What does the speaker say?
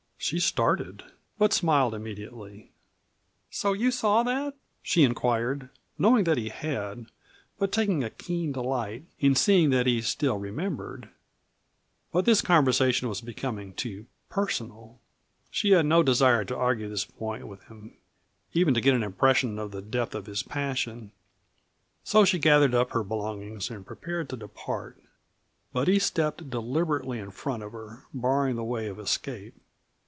She started, but smiled immediately. "So you saw that?" she inquired, knowing that he had, but taking a keen delight in seeing that he still remembered. But this conversation was becoming too personal; she had no desire to argue this point with him, even to get an impression of the depth of his passion, so she gathered up her belongings and prepared to depart. But he stepped deliberately in front of her, barring the way of escape.